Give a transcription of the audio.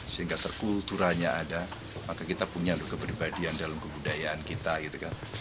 sehingga serkulturanya ada maka kita punya kepribadian dalam kebudayaan kita gitu kan